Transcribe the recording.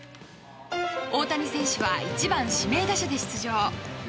大谷選手は１番指名打者で出場。